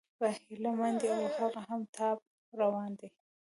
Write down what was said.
په هيله مندي، او هغه هم ټاپ روان دى